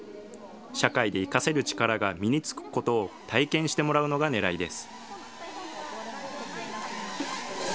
社会で生かせる力が身に着くことを体験してもらうのがねらいです。